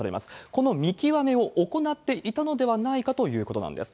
この見極めを行っていたのではないかということなんです。